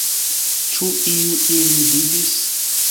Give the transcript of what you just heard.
Ĉu iu ilin vidis?